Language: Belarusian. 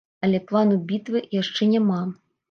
Але плану бітвы яшчэ няма.